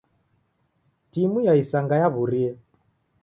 Timu ya isanga yaw'urie.